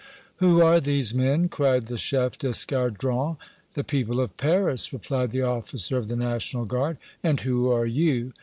"Who are these men?" cried the chef d'escadron. "The people of Paris!" replied the officer of the National Guard. "And who are you?"